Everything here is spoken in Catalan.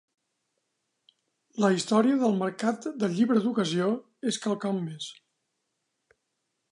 La història del Mercat del Llibre d'Ocasió és quelcom més.